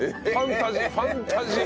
ファンタジー！